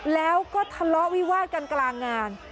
แล้วก็ทะเลาะวิวาดกันกลางงาน